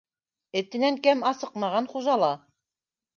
Этенән кәм асыҡмаған хужа ла.